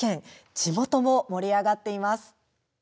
地元も盛り上がっています。